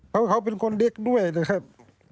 เพราะเขาเป็นคนเด็กด้วยนะครับ